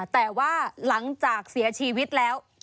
แต่ว่าหลังจากเสียชีวิตแล้ว